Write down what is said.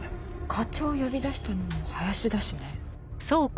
課長を呼び出したのも林だしね。